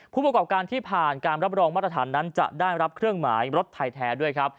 ผู้ประกอบการที่ผ่านการรับรองมาตรฐานนั้นจะได้รับเครื่องหมายรถไทยแท้ด้วยครับ